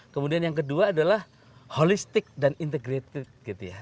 kemudian yang kedua adalah holistic dan integrated gitu ya